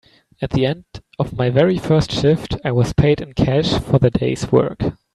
At the end of my very first shift, I was paid in cash for the day’s work.